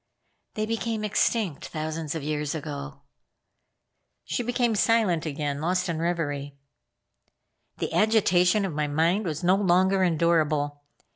"They became extinct thousands of years ago." She became silent again, lost in reverie. The agitation of my mind was not longer endurable.